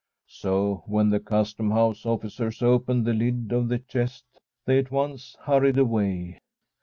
So when the Cus tom house officers opened the lid of the chest, they at once hurried away.